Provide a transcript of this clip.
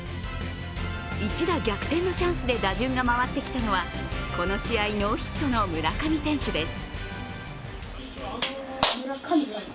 一打逆転のチャンスで打順が回ってきたのはこの試合ノーヒットの村上選手です。